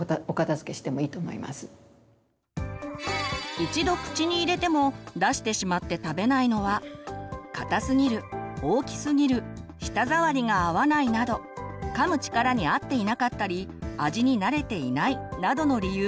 一度口に入れても出してしまって食べないのは硬すぎる大きすぎる舌触りが合わないなどかむ力に合っていなかったり味に慣れていないなどの理由があります。